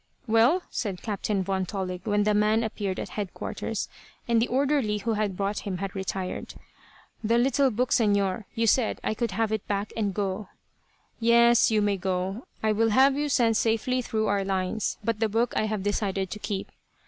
"Well?" said Captain Von Tollig, when the man appeared at headquarters, and the orderly who had brought him had retired. "The little book, Señor. You said I could have it back, and go." "Yes. You may go. I will have you sent safely through our lines; but the book I have decided to keep."